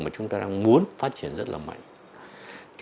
mà chúng ta đang muốn phát triển rất là mạnh